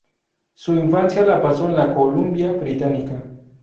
Su infancia la pasó en la Columbia Británica.